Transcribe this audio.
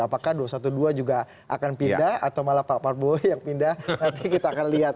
apakah dua ratus dua belas juga akan pindah atau malah pak prabowo yang pindah nanti kita akan lihat